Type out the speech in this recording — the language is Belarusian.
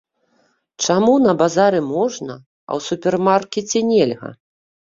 Чаму на базары можна, а ў супермаркеце нельга?